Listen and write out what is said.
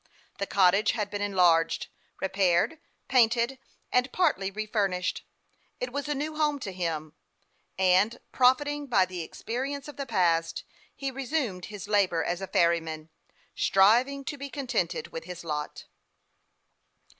The cottage had been enlarged, repaired, painted, and partly refurnished. It was a new home to him ; and, profiting by the experience of the past, he resumed his labor as a ferryman, striving to be contented with his lot.